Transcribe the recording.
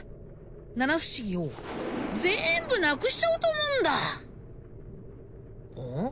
七不思議をぜんぶなくしちゃおうと思うんだうん？